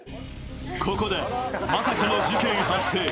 ここでまさかの事件発生。